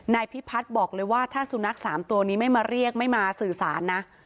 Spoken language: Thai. นายพิพัฒน์บอกเลยว่าถ้าสุนัข๓ตัวนี้ไม่มาเรียกไม่มาสื่อสารนะ